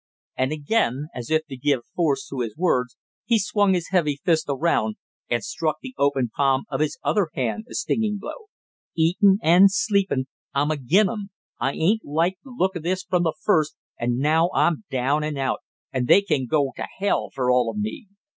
And again, as if to give force to his words, he swung his heavy first around and struck the open palm of his other hand a stinging blow. "Eatin' and sleepin', I'm agin 'em! I ain't liked the look of this from the first, and now I'm down and out, and they can go to hell for all of me!"